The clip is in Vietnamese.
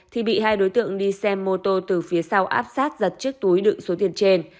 thì bị hai đối tượng đi xe mô tô từ phía sau áp sát giật chiếc túi đựng số tiền trên